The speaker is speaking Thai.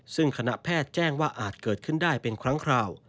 ซึ่งคณะแพทย์แจ้งว่าอาจเกิดขึ้นได้เป็นครั้งคราว